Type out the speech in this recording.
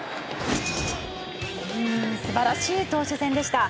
素晴らしい投手戦でした。